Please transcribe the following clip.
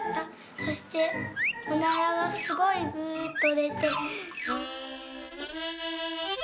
そしておならがすごい『ブーッ』とでて」。